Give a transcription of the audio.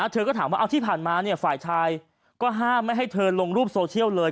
เธอก็ถามว่าเอาที่ผ่านมาฝ่ายชายก็ห้ามไม่ให้เธอลงรูปโซเชียลเลย